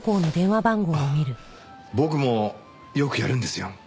僕もよくやるんですよ。